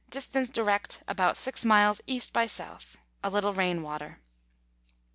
distance direct about G miles E. by S. A little rain water.